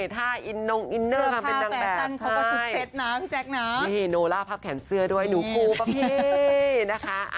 ท่าอินลงอินเนอร์ทำเป็นดังแบบใช่นี่โนลาภาพแขนเสื้อด้วยหนูครูปะพี่นะคะ